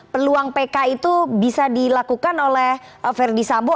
peluang pk itu bisa dilakukan oleh verdi sambo